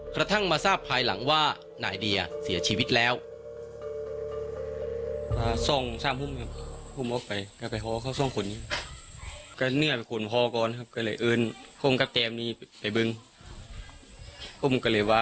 กระทั่งมาทราบภายหลังว่านายเดียเสียชีวิตแล้ว